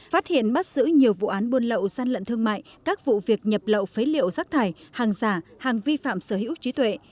phát hiện bắt giữ nhiều vụ án buôn lậu gian lận thương mại các vụ việc nhập lậu phế liệu rác thải hàng giả hàng vi phạm sở hữu trí tuệ